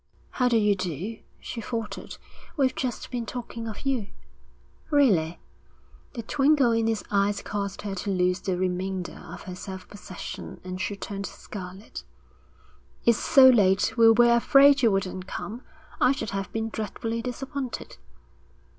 'How do you do?' she faltered. 'We've just been talking of you.' 'Really?' The twinkle in his eyes caused her to lose the remainder of her self possession, and she turned scarlet. 'It's so late, we were afraid you wouldn't come. I should have been dreadfully disappointed.'